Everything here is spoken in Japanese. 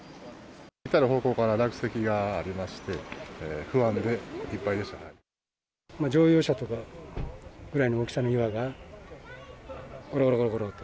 至る方向から落石がありまし乗用車とか、ぐらいの大きさの岩が、ごろごろごろと。